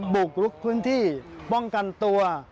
บุกลุกพื้นที่ป้องกันตัว